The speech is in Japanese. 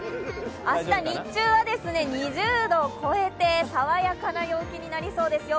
明日、日中は２０度を超えて爽やかな陽気になりそうですよ。